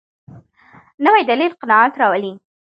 نوی دلیل قناعت راولي